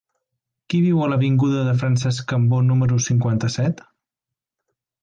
Qui viu a l'avinguda de Francesc Cambó número cinquanta-set?